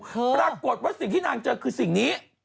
ปรากฏว่าสิ่งที่นางเจอคือสิ่งนี้